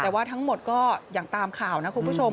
แต่ว่าทั้งหมดก็อย่างตามข่าวนะคุณผู้ชม